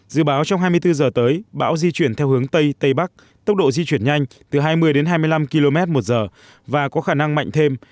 dự báo trong hai mươi bốn giờ tới bão di chuyển theo hướng tây tây bắc tốc độ di chuyển nhanh từ hai mươi đến hai mươi năm km một giờ và có khả năng mạnh thêm